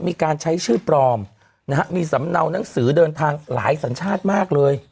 มีการใช้ชื่อปลอมนะฮะมีสำเนาหนังสือเดินทางหลายสัญชาติมากเลย